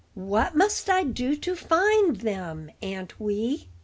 "What must I do to find them, Aunt Wee?"